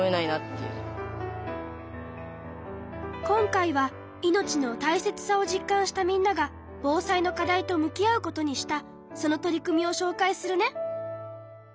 今回は命の大切さを実感したみんなが防災の課題と向き合うことにしたその取り組みをしょうかいするね。